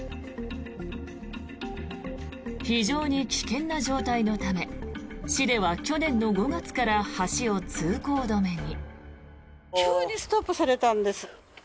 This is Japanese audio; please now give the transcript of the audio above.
非常に危険な状態のため市では去年の５月から橋を通行止めに。